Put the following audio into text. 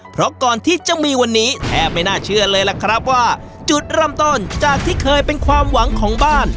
เพราะก่อนที่จะมีวันนี้แทบไม่น่าเชื่อเลยล่ะครับว่าจุดเริ่มต้นจากที่เคยเป็นความหวังของบ้าน